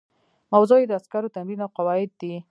موضوع یې د عسکرو تمرین او قواعد دي.